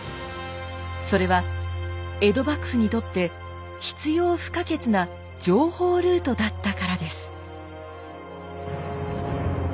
それは江戸幕府にとって必要不可欠な情報ルートだったからです。